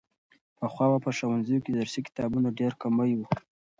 پخوا به په ښوونځیو کې د درسي کتابونو ډېر کمی و.